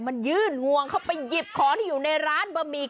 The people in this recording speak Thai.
มันยื่นงวงเข้าไปหยิบของที่อยู่ในร้านบะหมี่